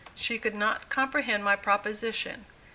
She could not comprehend my proposition.